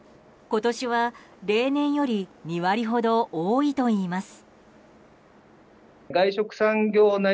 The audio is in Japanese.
今年は、例年より２割ほど多いといいます。